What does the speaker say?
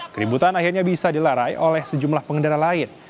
keributan akhirnya bisa dilarai oleh sejumlah pengendara lain